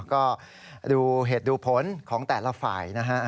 ก็ดูเหตุดูผลของแต่ละฝ่ายนะฮะ